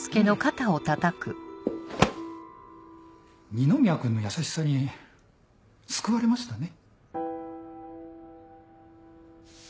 二宮君の優しさに救われましたね。